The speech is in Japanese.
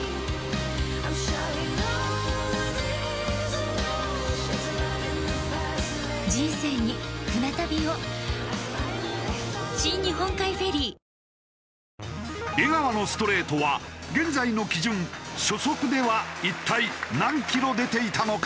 すこやかさつづけ薬用養命酒江川のストレートは現在の基準初速では一体何キロ出ていたのか？